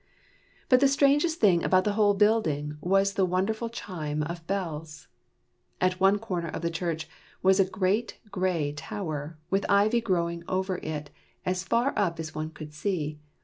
But the strangest thing about the whole building was the wonderful chime of bells. At one comer of the church was a great gray tower, with ivy growing over it as far up as one could see.